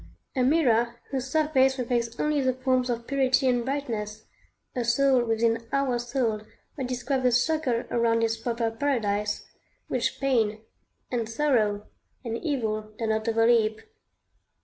] a mirror whose surface reflects only the forms of purity and brightness; a soul within our soul that describes a circle around its proper paradise, which pain, and sorrow, and evil dare not overleap.